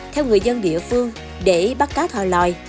theo người dân địa phương để bắt cá thòi lòi